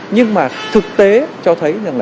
nhưng mà thực tế cho thấy